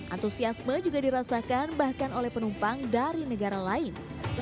antusiasme juga dirasakan bahkan oleh penumpang dari negara lain